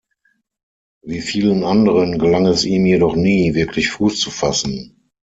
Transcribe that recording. Wie vielen anderen gelang es im jedoch nie, wirklich Fuß zu fassen.